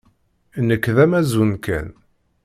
Nekk d amazun kan.